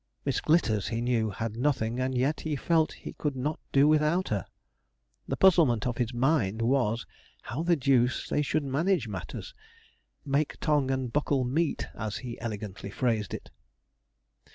Miss Glitters, he knew, had nothing, and yet he felt he could not do without her; the puzzlement of his mind was, how the deuce they should manage matters 'make tongue and buckle meet,' as he elegantly phrased it.